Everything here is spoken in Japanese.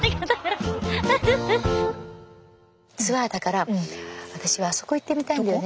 ツアーだから私はあそこ行ってみたいんだよね。